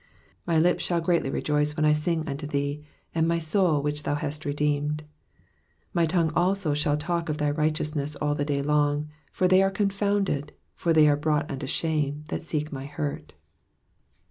23 My lips shall greatly rejoice when I sing unto thee ; and my soul, which thou hast redeemed. Digitized by VjOOQIC PSALM THE SEVENTY FIRST. 301 24 My tongue also shall talk of thy righteousness all the day long : for they are confounded, for they are brought unto shame, that seek my hurt.